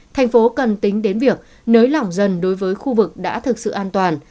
thành phố cần tính đến việc nới lỏng dần đối với khu vực đã thực sự an toàn